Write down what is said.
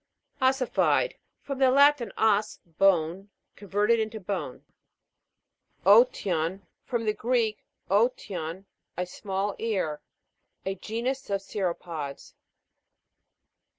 OS'SIFIED. From the Latin, os, bone. Converted into bone. O'TIOPJ. From the Greek, dtion, a small ear. A genus of cirrhopods.